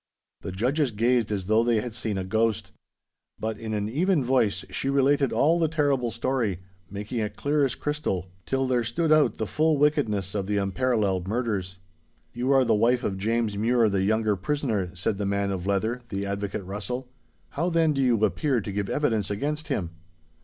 The judges gazed as though they had seen a ghost. But in an even voice she related all the terrible story, making it clear as crystal, till there stood out the full wickedness of the unparalleled murders. 'You are the wife of James Mure, the younger prisoner,' said the man of leather, the advocate Russell,; 'how then do you appear to give evidence against him?